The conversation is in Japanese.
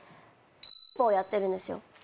ぽをやってるんですよ。